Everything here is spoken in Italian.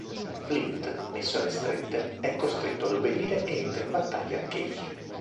Flint, messo alle strette, è costretto ad obbedire e entra in battaglia anch'egli.